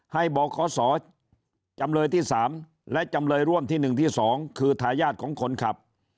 ให้บขศจำเลยที่๓และจำเลยร่วมที่๑ที่๒คือทายาทของคนขับ